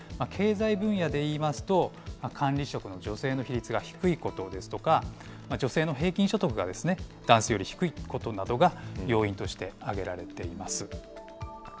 経済分野でいいますと、管理職の女性の比率が低いことですとか、女性の平均所得が男性より低いことなどが要因として挙げられています。